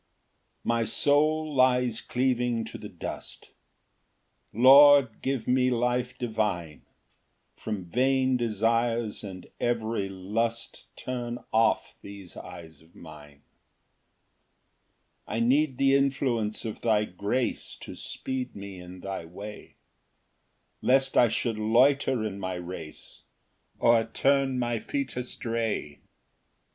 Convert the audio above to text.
1 My soul lies cleaving to the dust; Lord, give me life divine; From vain desires and every lust Turn off these eyes of mine. 2 I need the influence of thy grace To speed me in thy way, Lest I should loiter in my race, Or turn my feet astray. Ver. 107.